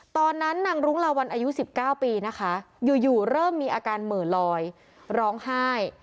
ตอนนั้นนางรุ้งลาวัลอายุ๑๙ปีนะคะอยู่เริ่มมีอาการเหมือลอยร้องไห้